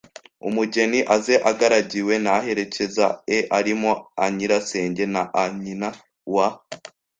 Umugeni aze agaragiwe n’aherekeza e arimo a nyirasenge na a nyina wa